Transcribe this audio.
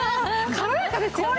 軽やかですよね。